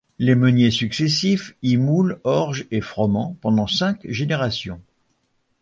Les meuniers successifs y moulent orge et froment pendant cinq générations.